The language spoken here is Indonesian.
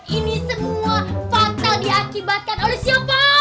ini semua fakta diakibatkan oleh siapa